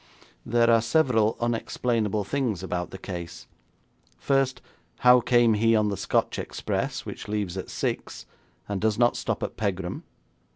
'There are several unexplainable things about the case. First, how came he on the Scotch Express, which leaves at six, and does not stop at Pegram?